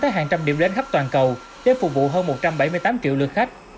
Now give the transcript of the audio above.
tới hàng trăm điểm đến khắp toàn cầu để phục vụ hơn một trăm bảy mươi tám triệu lượt khách